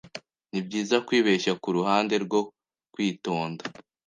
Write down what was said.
Nibyiza kwibeshya kuruhande rwo kwitonda.